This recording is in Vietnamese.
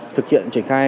thực hiện triển khai